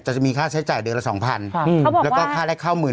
จะมีค่าใช้จ่ายเดือนละ๒๐๐๐ค่ะแล้วก็ค่าแลกเข้า๑๑๐๐๐